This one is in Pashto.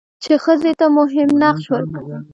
چې ښځې ته مهم نقش ورکړي؛